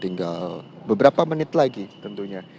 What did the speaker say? tinggal beberapa menit lagi tentunya